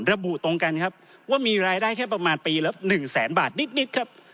ระบุตรงกันครับว่ามีรายได้แค่ประมาณปีละ๑แสนบาทนิดครับ